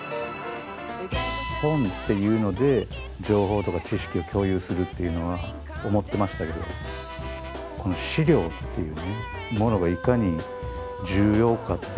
本っていうので情報とか知識を共有するっていうのは思ってましたけどこの資料っていうねものがいかに重要かっていうのも分かりましたね。